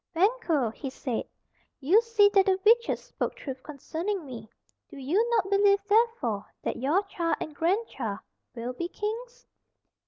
"Banquo," he said, "you see that the witches spoke truth concerning me. Do you not believe, therefore, that your child and grandchild will be kings?"